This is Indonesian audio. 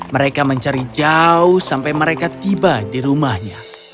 mereka mencari jauh sampai mereka tiba di rumahnya